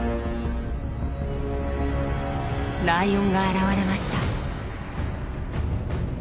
ライオンが現れました。